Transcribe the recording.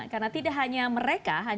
karena tidak hanya mereka